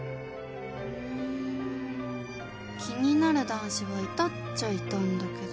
気になる男子はいたっちゃいたんだけど